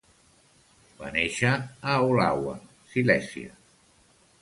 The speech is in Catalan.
Va néixer a Olawa, Silèsia.